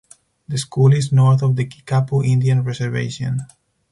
The school is north of the Kickapoo Indian Reservation.